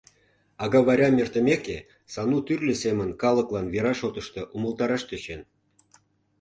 Агавайрем эртымеке, Сану тӱрлӧ семын калыклан вера шотышто умылтараш тӧчен.